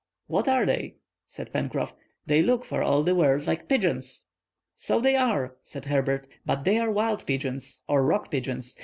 "What are they?" said Pencroff. "They look for all the world like pigeons." "So they are," said Herbert, "but they are wild pigeons, or rock pigeons."